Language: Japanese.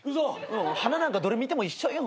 花なんかどれ見ても一緒よ。